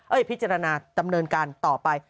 พิจารณาดำเนินการต่อไป